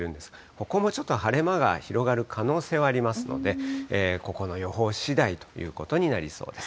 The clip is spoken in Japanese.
ここもちょっと晴れ間が広がる可能性はありますので、ここの予報士だいということになりそうです。